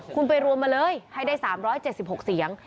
คุณไปรวมมาเลยให้ได้๓๗๖เสียง